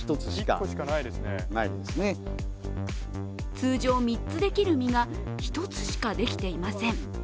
通常３つできる実が１つしかできていません。